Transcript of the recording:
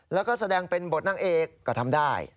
แล้วก็แสดงเป็นบทนางเอกก็ทำได้